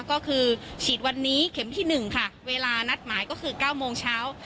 ก็คือฉีดวันนี้เข็มที่๑ค่ะเวลานัดหมายก็คือ๙โมงเช้า